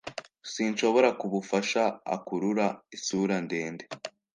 Sinshobora kubufasha akurura isura ndende